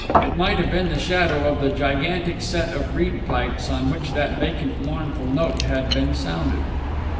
It might have been the shadow of the gigantic set of reed pipes on which that vacant mournful note had been sounded.